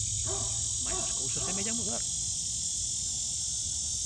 Mais as cousas semellan mudar.